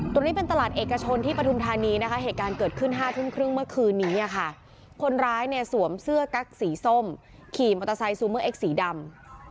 ตรงนี้เป็นตลาดเอกชนที่ปฐุมธานีนะคะเหตุการณ์เกิดขึ้น๕ทุ่มครึ่งเมื่อคืนนี้ค่ะคนร้ายเนี่ยสวมเสื้อกั๊กสีส้มขี่มอเตอร์ไซค์ซูเมอร์เอ็กซีดำ